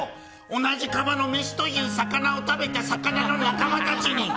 同じ釜の飯という魚を食べた魚の仲間たちに。